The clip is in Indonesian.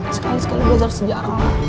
sekali sekali belajar sejarah lah